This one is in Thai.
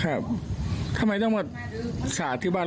แล้วคนนี้มันไม่ได้จ่ายมันเป็นดอกรอย